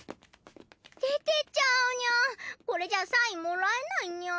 出てっちゃうニャンこれじゃあサインもらえないニャン。